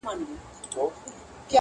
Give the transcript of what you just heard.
o پورته گورم پړانگ دئ، کښته گورم پاڼ دئ٫